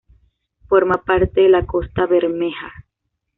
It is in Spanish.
Forma parte de la Costa Bermeja.